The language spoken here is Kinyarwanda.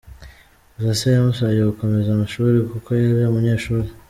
Gusa se yamusabye gukomeza amashuri kuko yari umunyeshuri.